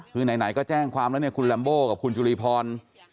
คือไหนก็แจ้งความแล้วเนี่ยคุณลัมโบกับคุณจุลีพร